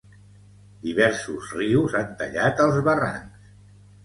Diversos rius han tallat els barrancs.